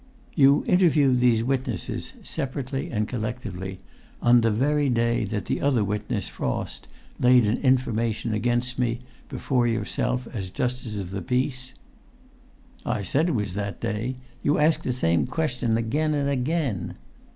"You interviewed these witnesses, separately and collectively, on the very day that the other witness, Frost, laid an information against me before yourself as Justice of the Peace?" "I said it was that day. You ask the same question again and again!"